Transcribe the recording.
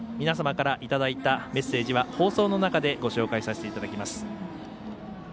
皆様からいただいたメッセージは放送の中でご紹介させていただきます。